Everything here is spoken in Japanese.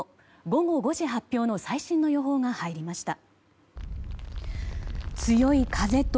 午後５時発表の最新の予報が入りました。